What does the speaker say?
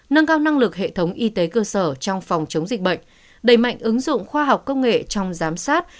nâng cao năng lực hệ thống y tế cơ sở trong phòng chống dịch bệnh đẩy mạnh ứng dụng khoa học công nghệ trong giám sát